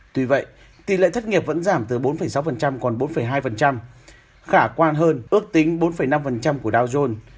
tuy vậy tỷ lệ thất nghiệp vẫn giảm từ bốn sáu còn bốn hai khả quan hơn ước tính bốn năm của dow jones